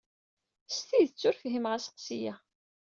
S tidet ur fhimeɣ asseqsi-a.